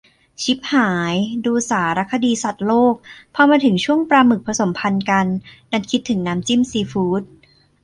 ชิบหาย ! ดูสารคดีสัตว์โลก พอมาถึงช่วงปลาหมึกผสมพันธุ์กัน ดันคิดถึงน้ำจิ้มซีฟู๊ด !